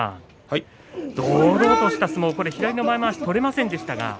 堂々とした相撲左の前まわし取れませんでした。